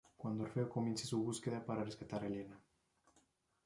Cuando Orfeo comience su búsqueda para rescatar a Helena.